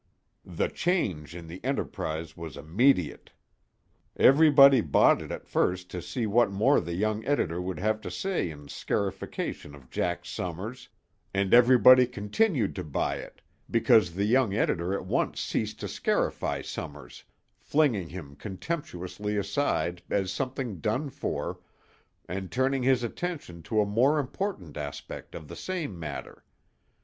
The change in the Enterprise was immediate. Everybody bought it at first to see what more the young editor would have to say in scarification of Jack Summers, and everybody continued to buy it, because the young editor at once ceased to scarify Summers, flinging him contemptuously aside as something done for, and turning his attention to a more important aspect of the same matter.